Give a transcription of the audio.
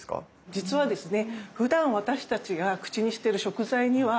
実はですね